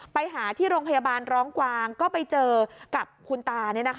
ไปหาที่โรงพยาบาลร้องกวางก็ไปเจอกับคุณตา